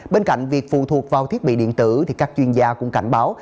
bên cạnh việc phù thuộc vào thiết bị điện tử các chuyên gia cũng cảnh báo